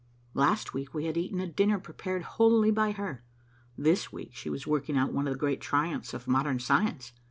Last week we had eaten a dinner prepared wholly by her. This week she was working out one of the great triumphs of modern science.